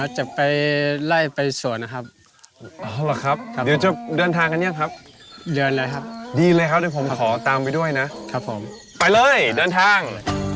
จะเห็นว่าทางนี้ก็ขาวนิดนึง